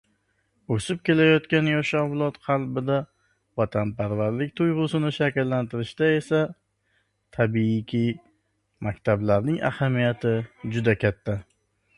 Oʼsib kelayotgan yosh avlod qalbida vatanparvarlik tuygʼusini shakllantirishda esa, tabiiyki, maktablarning ahamiyati juda katta